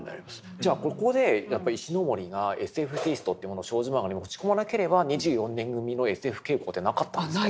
じゃあここでやっぱり石森がＳＦテイストというものを少女漫画に持ち込まなければ２４年組のＳＦ傾向ってなかったんですか？